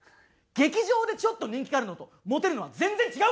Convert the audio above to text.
劇場でちょっと人気があるのとモテるのは全然違うからな！